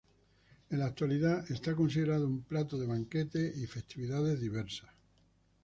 En la actualidad es considerado un plato de banquetes y festividades diversas.